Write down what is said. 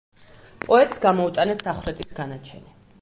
პოეტს გამოუტანეს დახვრეტის განაჩენი.